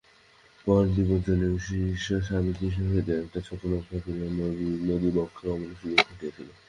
পর দিবস জনৈকা শিষ্যার স্বামীজীর সহিত একখানি ছোট নৌকা করিয়া নদীবক্ষে গমনের সুযোগ ঘটিয়াছিল।